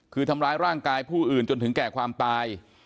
คือทำร้ายร่างกายผู้อื่นจนถึงแก่ความตาย